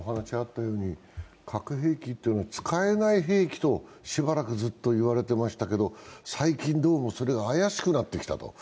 核兵器というのは、使えない兵器としばらく言われていましたけど最近どうもそれが怪しくなってきたと。